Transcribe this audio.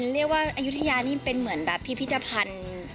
เรียกว่าอยุธยานี่เป็นเหมือนพิพิธภัณฑ์